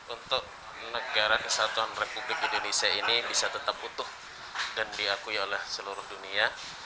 untuk negara kesatuan republik indonesia ini bisa tetap utuh dan diakui oleh seluruh dunia